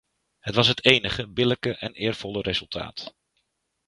Het was het enige billijke en eervolle resultaat.